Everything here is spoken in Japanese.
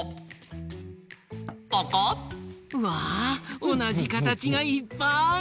うわおなじかたちがいっぱい！